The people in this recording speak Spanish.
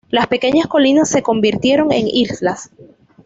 Las pequeñas colinas se convirtieron en islas.